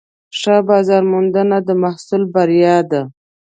ښه بازارموندنه د محصول بریا ده.